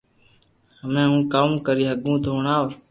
ھمي ھو ڪاو ڪري ھگو تو ھڻاو